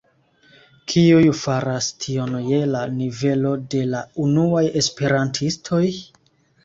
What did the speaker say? Kiuj faras tion je la nivelo de la unuaj esperantistoj?